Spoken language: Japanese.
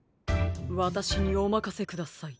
わたしにおまかせください。